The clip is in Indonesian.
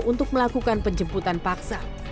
untuk melakukan penjemputan paksa